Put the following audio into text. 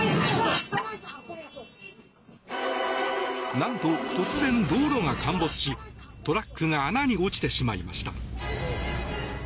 なんと、突然、道路が陥没しトラックが穴に落ちてしまいました。